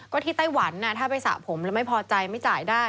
ก็ที่ไต้หวันถ้าไปสระผมแล้วไม่พอใจไม่จ่ายได้